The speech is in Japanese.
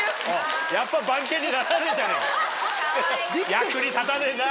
役に立たねえな。